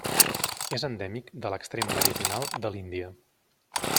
És endèmic de l'extrem meridional de l'Índia.